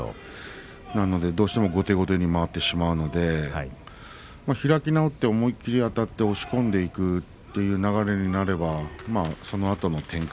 どうしても後手後手にまわってしまうので開き直って思い切りあたって押し込んでいくという流れになればそのあとの展開